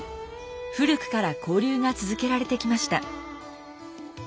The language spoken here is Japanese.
古くから交流が続けられてきました。